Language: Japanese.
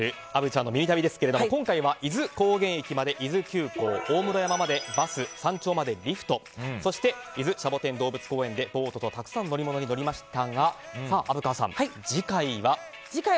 虻ちゃんのミニ旅ですけども今回は伊豆高原駅まで伊豆急行大室山までバス、山頂までリフトそして伊豆シャボテン動物公園でボートと始まりました